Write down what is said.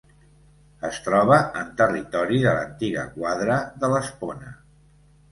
Es troba en territori de l'antiga quadra de l'Espona.